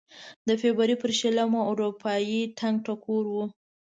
د فبروري په شلمه اروپايي ټنګ ټکور و.